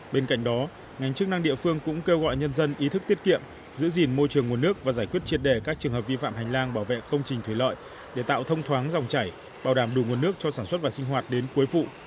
bên cạnh đó ngành chức năng địa phương cũng kêu gọi nhân dân ý thức tiết kiệm giữ gìn môi trường nguồn nước và giải quyết triệt đề các trường hợp vi phạm hành lang bảo vệ công trình thủy lợi để tạo thông thoáng dòng chảy bảo đảm đủ nguồn nước cho sản xuất và sinh hoạt đến cuối vụ